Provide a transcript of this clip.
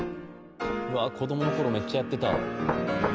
うわ子供の頃めっちゃやってた。